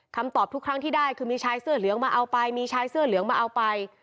ตอบทุกครั้งที่ได้คือมีชายเสื้อเหลืองมาเอาไปมีชายเสื้อเหลืองมาเอาไป